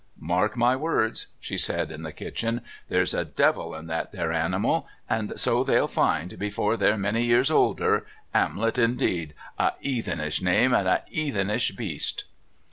"Mark my words," she said in the kitchen, "there's a devil in that there animal, and so they'll find before they're many years older 'Amlet indeed a 'eathenish name and a 'eathenish beast."